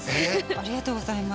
ありがとうございます。